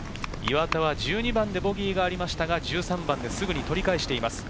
１２番でボギーがありましたが、１３番ですぐに取り返しています。